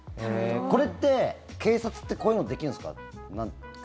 これって、警察ってこういうのできるんですか？